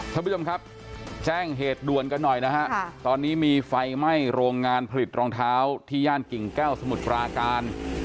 ท่านผู้ชมครับแจ้งเหตุด่วนกันหน่อยนะฮะตอนนี้มีไฟไหม้โรงงานผลิตรองเท้าที่ย่านกิ่งแก้วสมุทรปราการ